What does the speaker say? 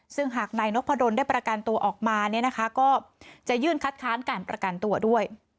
ซึ่งหากนายนพดลได้ประกันตัวออกมาเนี่ยนะคะก็จะยื่นคัดค้านการประกันตัวด้วย